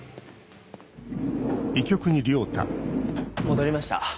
戻りました。